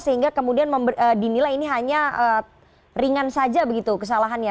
sehingga kemudian dinilai ini hanya ringan saja begitu kesalahannya